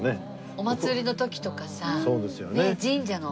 お祭りの時とかさ神社のねっ。